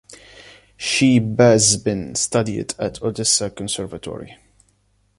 She bas been studied at Odessa Conservatory.